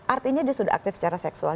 artinya dia sudah aktif secara seksual